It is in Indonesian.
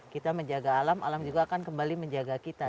kita menjaga alam alam juga akan kembali menjaga kita